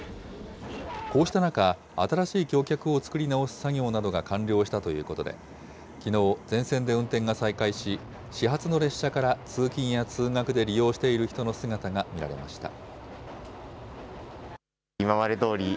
こうした中、新しい橋脚を作り直す作業などが完了したということで、きのう、全線で運転が再開し、始発の列車から通勤や通学で利用している人の姿が見られました。